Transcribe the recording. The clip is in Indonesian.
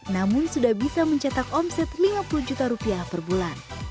namun sudah bisa mencetak omset lima puluh juta rupiah per bulan